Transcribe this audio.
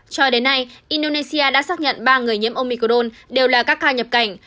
cho đến nay indonesia đã xác nhận ba người nhiễm omicol đều là các ca nhập cảnh